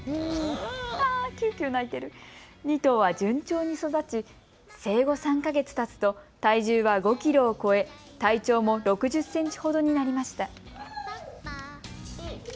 ２頭は順調に育ち、生後３か月たつと体重は５キロを超え、体長も６０センチほどになりました。